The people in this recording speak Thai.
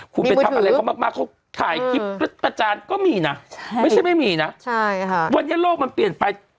คุณเป็นทัพอะไรเขามากไม่ใช่ไม่มีนะวันยังโลกมันเปลี่ยนไป